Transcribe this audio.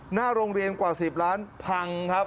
หน้าโรงเรียนกว่า๑๐ล้านพังครับ